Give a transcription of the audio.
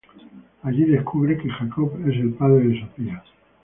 Allí descubre que Jacob es el padre de Sofia.